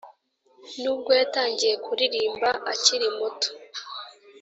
Nubwo yatangiye kuririmba akiri muto,